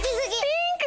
ピンク！